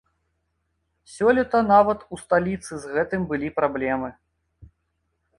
Сёлета нават у сталіцы з гэтым былі праблемы.